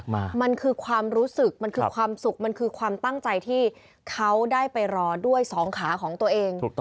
มันคือความรู้สึกความสุขความตั้งใจที่เขาได้ไปรอด้วยสองขาของตัวเอง